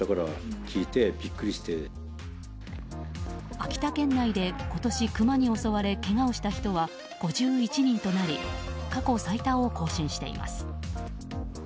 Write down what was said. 秋田県内で今年クマに襲われけがをした人は５１人となり過去最多を更新しています。